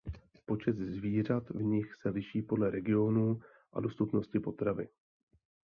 Počet zvířat v nich se liší podle regionu a dostupnosti potravy.